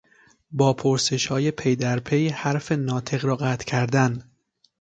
با پرسشهای پیدرپی حرف ناطق را قطع کردن